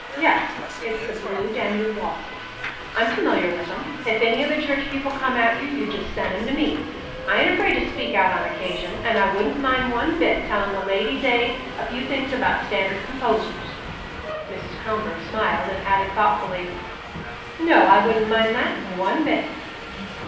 "Yes; it's the Blue Danube waltzes. I'm familiar with 'em. If any of the church people come at you, you just send 'em to me. I ain't afraid to speak out on occasion, and I wouldn't mind one bit telling the Ladies' Aid a few things about standard composers." Mrs. Kronborg smiled, and added thoughtfully, "No, I wouldn't mind that one bit."